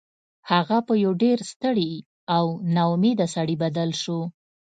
هغه په یو ډیر ستړي او ناامیده سړي بدل شو